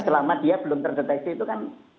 selama dia belum terdeteksi itu kan